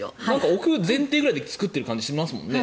置く前提くらいで作っている感じしますもんね。